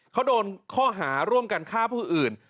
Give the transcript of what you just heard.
เขาโดนข้อหาร่วมกันฆ่าผู้อื่น